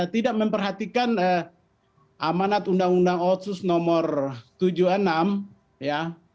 tidak memperhatikan amanat undang undang otsus nomor tujuh puluh enam ya